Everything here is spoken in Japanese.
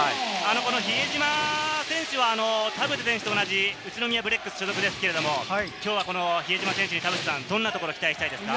比江島選手は田臥選手と同じ宇都宮ブレックス所属ですけれども、比江島選手にどんなところを期待したいですか？